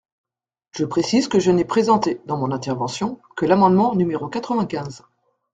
Je précise que je n’ai présenté, dans mon intervention, que l’amendement numéro quatre-vingt-quinze.